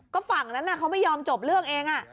ก็ฝั่งนั้นเขาไม่ยอมจบเรื่องเอง